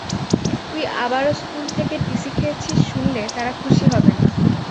তুই আবারও স্কুল থেকে টিসি খেয়েছিস শুনলে তারা খুশি হবে না!